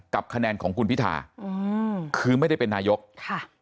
คะแนนของคุณพิธาอืมคือไม่ได้เป็นนายกค่ะ